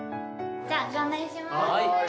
じゃあご案内します。